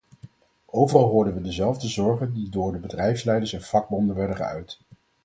Overal hoorden we dezelfde zorgen die door de bedrijfsleiders en vakbonden werden geuit.